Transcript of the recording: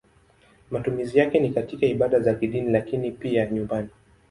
Matumizi yake ni katika ibada za kidini lakini pia nyumbani.